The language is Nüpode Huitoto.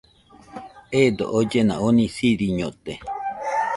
Eedo ollena oni siriñote.